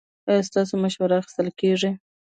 ایا ستاسو مشوره اخیستل کیږي؟